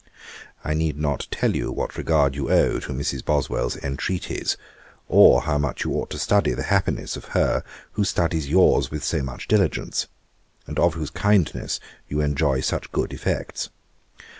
'I need not tell you what regard you owe to Mrs. Boswell's entreaties; or how much you ought to study the happiness of her who studies yours with so much diligence, and of whose kindness you enjoy such good effects.